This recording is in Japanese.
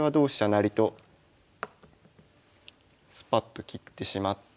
成とスパッと切ってしまって。